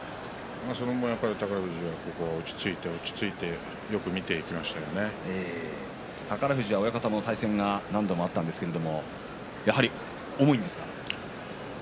宝富士が落ち着いて宝富士、親方も対戦が何度もあったんですがやはり重いんですか。